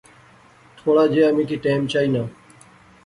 تھوڑا جہیا می کی ٹیم چائینا